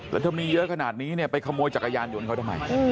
แล้วถ้ามีเยอะขนาดนี้เนี่ยไปขโมยจักรยานยนต์เขาทำไม